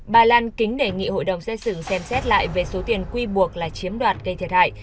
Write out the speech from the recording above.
bà lan kính đề nghị hội đồng xét xử xem xét lại về số tiền quy buộc là chiếm đoạt gây thiệt hại